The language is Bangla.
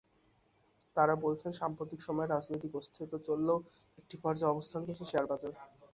তাঁরা বলছেন, সাম্প্রতিক সময়ে রাজনৈতিক অস্থিরতা চললেও একটি পর্যায়ে অবস্থান করছে শেয়ারবাজার।